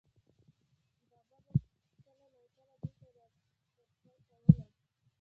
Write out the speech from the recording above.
بابا به کله ناکله دلته را پېښه کوله.